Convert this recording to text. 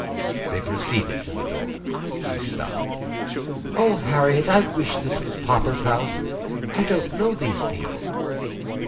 They proceeded to the door. She stopped. "Oh! Harriet, I wish this was papa's house! I don't know these people."